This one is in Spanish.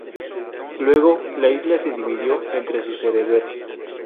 Luego, la isla se dividió entre sus herederos.